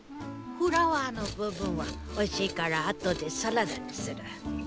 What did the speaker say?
フラワーの部分はおいしいから後でサラダにする！